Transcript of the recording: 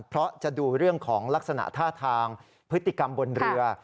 เพราะจะดูเรื่องของลักษณะท่าทางพฤติกรรมบนเรือ